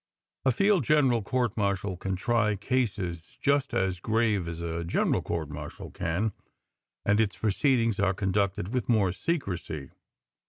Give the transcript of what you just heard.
A field general court martial can try cases just as grave as a general court martial can, and its proceedings are con ducted with more secrecy.